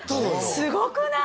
すごくない？